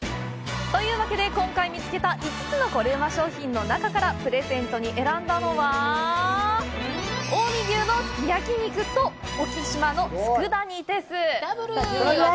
というわけで、今回見つけた５つのコレうま商品の中からプレゼントに選んだのは近江牛のすきやき肉と沖島のつくだ煮です！